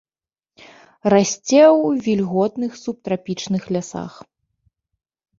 Расце ў вільготных субтрапічных лясах.